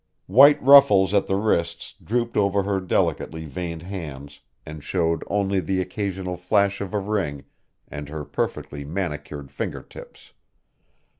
White ruffles at the wrists drooped over her delicately veined hands and showed only the occasional flash of a ring and her perfectly manicured finger tips.